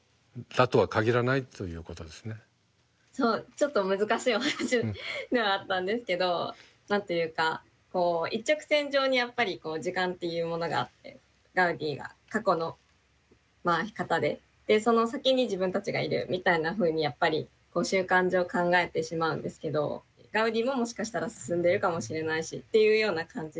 ちょっと難しいお話ではあったんですけど何と言うかこう一直線上にやっぱり時間っていうものがあってガウディが過去の方でその先に自分たちがいるみたいなふうにやっぱり習慣上考えてしまうんですけどガウディももしかしたら進んでるかもしれないしっていうような感じで。